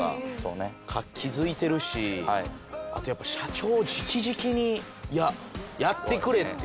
あとやっぱ社長直々に「やってくれ」って言われる。